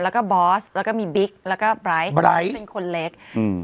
แล้วก็บอสแล้วก็มีบิ๊กแล้วก็ไบร์ทไบร์ทเป็นคนเล็กอืม